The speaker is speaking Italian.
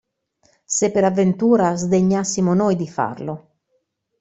Se per avventura sdegnassimo noi di farlo.